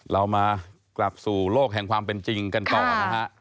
เรามากลับสู่โลกแห่งความเป็นจริงกันต่อนะฮะ